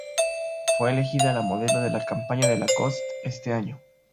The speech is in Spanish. Fue elegida la modelo de la campaña de Lacoste ese año.